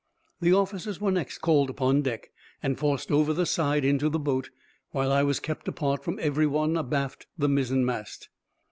The officers were next called upon deck, and forced over the side into the boat, while I was kept apart from every one abaft the mizzen mast.